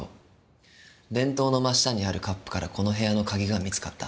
電灯の真下にあるカップからこの部屋の鍵が見つかった。